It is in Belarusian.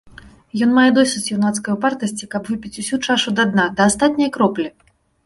Ён мае досыць юнацкай упартасці, каб выпіць усю чашу да дна, да астатняе кроплі!